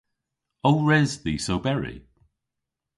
O res dhis oberi?